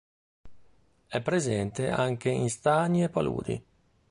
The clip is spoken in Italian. È presente anche in stagni e paludi.